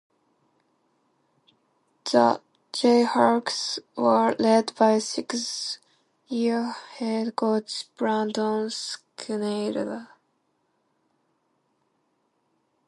The Jayhawks were led by sixth year head coach Brandon Schneider.